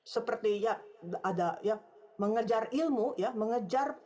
seperti ya ada ya mengejar ilmu ya mengejar